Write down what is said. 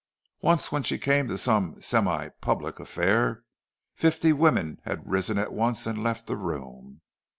Once when she came to some semi public affair, fifty women had risen at once and left the room!